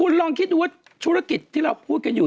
คุณลองคิดดูว่าธุรกิจที่เราพูดกันอยู่